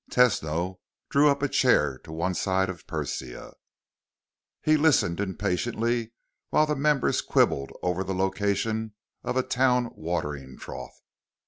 Tesno drew up a chair to one side of Persia. He listened impatiently while the members quibbled over the location of a town watering trough.